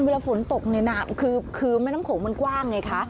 เวลาฝนตกในน้ำคือแม่น้ำโขงมันกว้างไงคะ